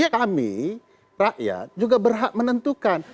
kami rakyat juga berhak menentukan